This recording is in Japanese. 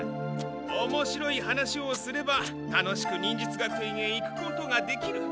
おもしろい話をすれば楽しく忍術学園へ行くことができる。